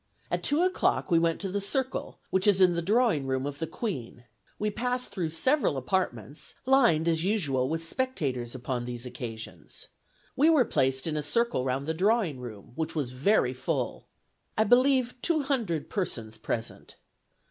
At two o'clock we went to the circle, which is in the drawing room of the Queen. We passed through several apartments, lined as usual with spectators upon these occasions. ... We were placed in a circle round the drawing room, which was very full. I believe two hundred persons present.